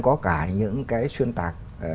có cả những cái xuyên tạc